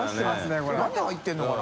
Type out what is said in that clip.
何入ってるのかな？」